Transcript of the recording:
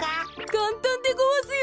かんたんでごわすよ。